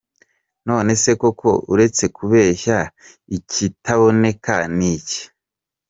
None se koko uretse kubeshya, ikitaboneka ni iki?!